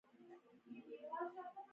ایا پوزه مو بنده ده؟